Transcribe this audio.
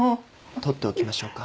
取っておきましょうか。